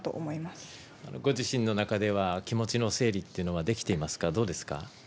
ご自身の中では、気持ちの整理っていうのはできていますか、どうですか。